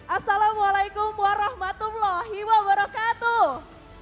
assalamualaikum warahmatullahi wabarakatuh